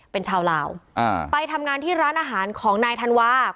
เป็นชาวลาวไปทำงานที่ร้านอาหารของนายธันวา